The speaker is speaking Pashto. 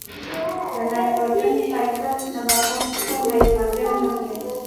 د نایټروجن سائیکل نباتاتو ته نایټروجن رسوي.